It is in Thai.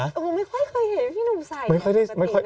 อ้อไม่ค่อยเคยเห็นพี่นุ่มใส่แบบปกติ